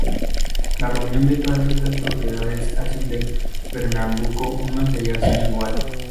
La reunión de todas estas propiedades hacen del Pernambuco un material sin igual.